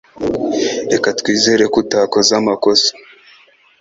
Reka twizere ko utakoze amakosa.